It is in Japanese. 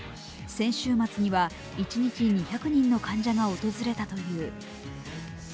先週末には一日２００人の患者が訪れたという。